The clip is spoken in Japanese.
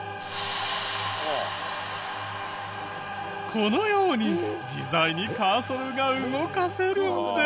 このように自在にカーソルが動かせるんです。